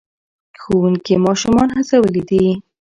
ښوونکي ماشومان هڅولي دي.